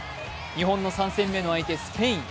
日本の３戦目の相手、スペイン。